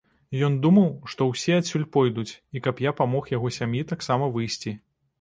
Ён думаў, што ўсе адсюль пойдуць і каб я памог яго сям'і таксама выйсці.